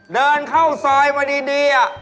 เดินเข้าซอยมาดี